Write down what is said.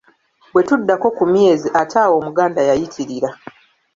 Bwe tuddako ku myezi ate awo Omuganda yayitirira!